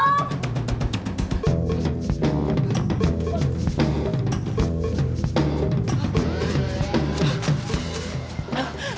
gak boleh ketangkep nih gue